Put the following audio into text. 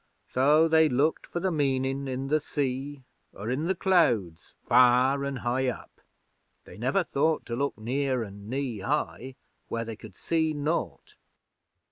So they looked for the meanin' in the sea or in the clouds far an' high up. They never thought to look near an' knee high, where they could see naught.